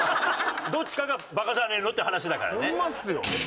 どっちかがバカじゃねえの？って話だからね。